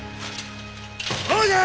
そうじゃ！